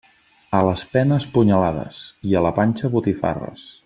A les penes, punyalades, i a la panxa, botifarres.